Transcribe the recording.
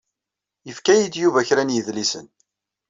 Yefka-yi-d Yuba kra n yidlisen.